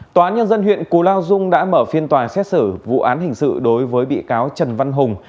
tòa nhân dân huyện cù lao dung đã mở phiên tòa xét xử vụ án hình sự đối với bị cáo trần văn hùng